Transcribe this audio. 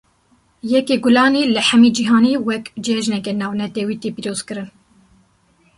Yekê Gulanê, li hemî cihanê wek cejneke navnetewî tê pîroz kirin